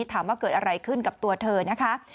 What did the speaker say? ถามว่าเกิดอะไรขึ้นกับตัวเธอนะคะ